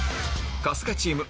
春日チーム